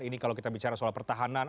ini kalau kita bicara soal pertahanan